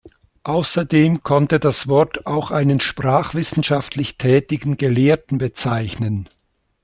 Außerdem konnte das Wort auch einen sprachwissenschaftlich tätigen Gelehrten bezeichnen.